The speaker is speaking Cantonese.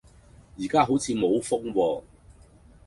而家好似冇風喎